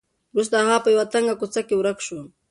وروسته هغه په یوه تنګه کوڅه کې ورک شو.